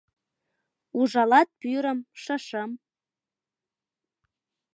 Ужалат пӱрым, ШШ-м.